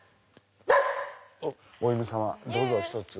お犬さまどうぞひとつ。